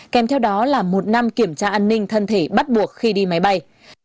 kèm theo đó là một năm kiểm tra an ninh thân thể bắt buộc khi đi máy bay